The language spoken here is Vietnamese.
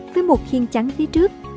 với một khiên trắng phía trước